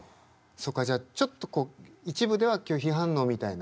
そっかじゃあちょっとこう一部では拒否反応みたいな。